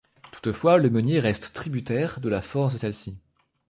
Toutefois, le meunier reste tributaire de la force de celle-ci.